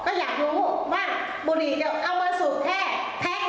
ก็อยากรู้ว่าบุรีเอามาสูบแค่แพ็กหนึ่ง